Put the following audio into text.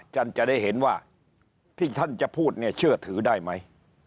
ท่านจะได้เห็นว่าที่ท่านจะพูดเนี่ยเชื่อถือได้ไหม